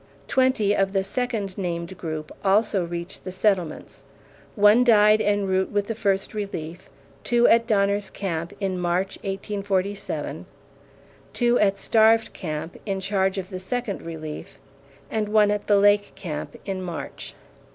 Twenty of the second named group also reached the settlements. One died en route with the First Relief; two at Donner's Camp (in March, 1847); two at Starved Camp, in charge of the Second Relief; and one at the Lake Camp (in March).